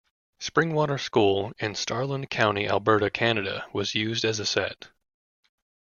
Springwater School in Starland County, Alberta, Canada was used as a set.